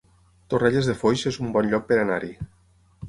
Torrelles de Foix es un bon lloc per anar-hi